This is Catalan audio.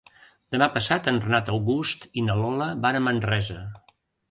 Demà passat en Renat August i na Lola van a Manresa.